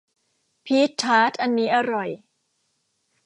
พีชทาร์ตอันนี้อร่อย